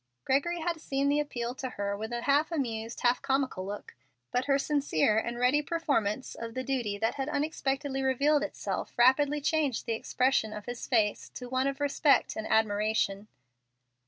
Gregory had seen the appeal to her with an amused, half comical look, but her sincere and ready performance of the duty that had unexpectedly revealed itself rapidly changed the expression of his face to one of respect and admiration.